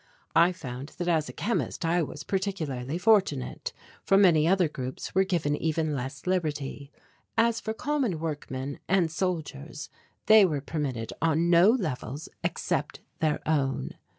I found that as a chemist I was particularly fortunate for many other groups were given even less liberty. As for common workmen and soldiers, they were permitted on no levels except their own.